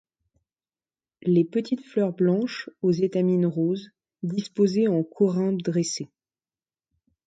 Les petites fleurs blanches aux étamines roses, disposées en corymbe dressée.